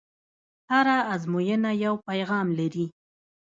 هره ازموینه یو پیغام لري.